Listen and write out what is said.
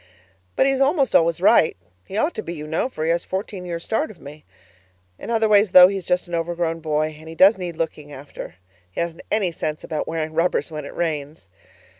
But he is almost always right; he ought to be, you know, for he has fourteen years' start of me. In other ways, though, he's just an overgrown boy, and he does need looking after he hasn't any sense about wearing rubbers when it rains.